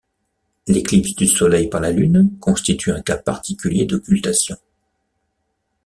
L'éclipse du Soleil par la Lune constitue un cas particulier d'occultation.